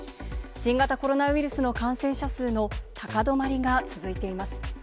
新型コロナウイルス感染者数の高止まりが続いています。